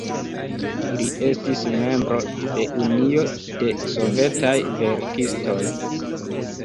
Li estis membro de Unio de Sovetaj Verkistoj.